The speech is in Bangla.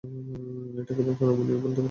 এটা কেবল কানমাণিই বলতে পারবে।